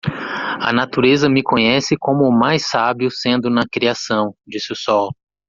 "A natureza me conhece como o mais sábio sendo na criação?", disse o sol.